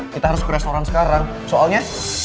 kita harus ke restoran sekarang soalnya